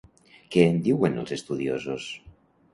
Què en diuen els estudiosos?